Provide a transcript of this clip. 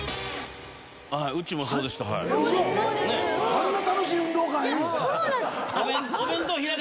あんな楽しい運動会⁉え！